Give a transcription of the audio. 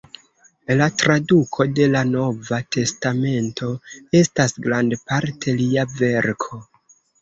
La traduko de la "Nova testamento" estas grandparte lia verko.